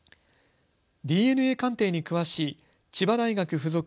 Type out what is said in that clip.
ＤＮＡ鑑定に詳しい千葉大学附属